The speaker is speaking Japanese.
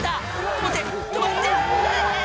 「止まって止まって！」